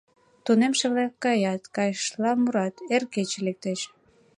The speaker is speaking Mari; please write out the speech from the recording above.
Тунемше-влак каят, кайышыштла мурат: «Эр кече лектеш...»